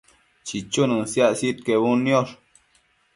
chichunën siac sidquebudniosh